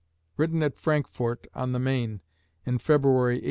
_Written at Frankfort on the Maine in February 1844.